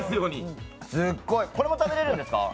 これも食べれるんですか？